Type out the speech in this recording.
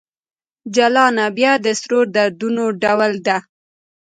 جلانه ! بیا د سرو دردونو ډول ته